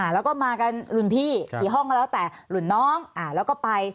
แล้วก็มากันรุ่นพี่กี่ห้องก็แล้วแต่รุ่นน้องแล้วก็ไป